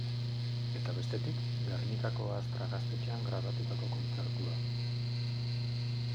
Eta bestetik Gernikako Astra Gaztetxean grabatutako kontzertua.